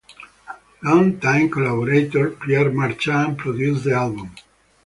Longtime collaborator Pierre Marchand produced the album.